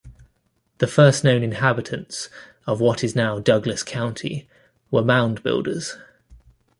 The first-known inhabitants of what is now Douglas County were Mound Builders.